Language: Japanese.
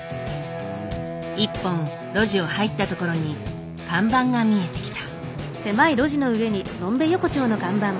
一本路地を入った所に看板が見えてきた。